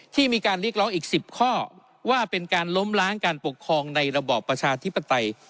ที่มีการเรียกร้องอีก๑๐ข้อว่าเป็นการล้มล้างการปกครองในระบอบประชาธิปไตย